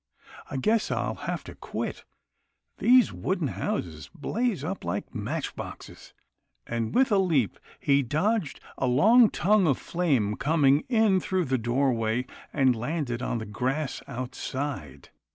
" I guess I'll have to quit. These wooden houses blaze up like match boxes," and with a leap he dodged a long tongue of flame coming in through the doorway, and landed on the grass outside.